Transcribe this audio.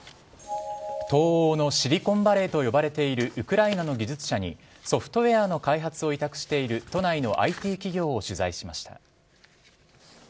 東欧のシリコンバレーと呼ばれているウクライナの技術者にソフトウエアの開発を委託している都内のＩＴ企業を取材しました。